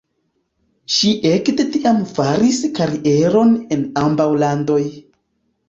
Ŝi ekde tiam faris karieron en ambaŭ landoj.